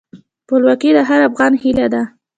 خپلواکي د هر افغان هیله ده.